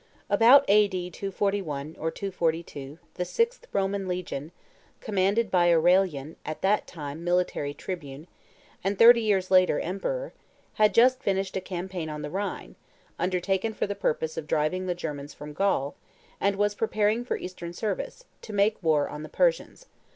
About A.D. 241 or 242 the sixth Roman legion, commanded by Aurelian, at that time military tribune, and thirty years later, emperor, had just finished a campaign on the Rhine, undertaken for the purpose of driving the Germans from Gaul, and was preparing for Eastern service, to make war on the Persians.